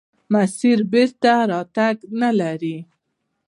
مسیر بېرته راتګ نلري.